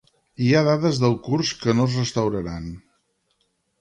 Hi ha dades del curs que no es restauraran.